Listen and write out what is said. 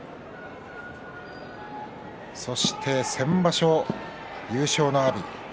そして先場所、優勝の阿炎。